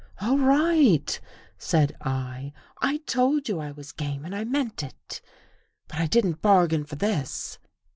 " All right," said I. " I told you I was game and I meant it. But I didn't bargain for this."